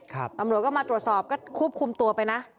ตำรวจก็มาตรวจสอบก็ควบคุมตัวไปนะ